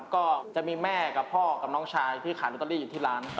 ก็จะมีแม่กับพ่อกับน้องชายที่ขายลอตเตอรี่อยู่ที่ร้าน